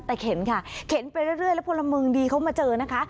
แต่เข็นค่ะเข็นไปเรื่อยแล้วพลเมืองดีเขามาเจอนะคะ